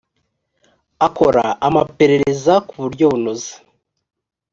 akora amaperereza ku buryo bunoze .